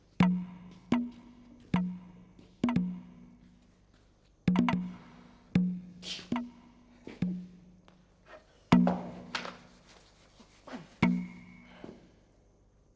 sampek k benchmark